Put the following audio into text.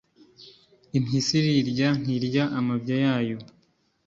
impyisi irirya, ntirya amabya yayo.u